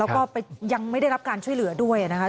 แล้วก็ยังไม่ได้รับการช่วยเหลือด้วยนะคะ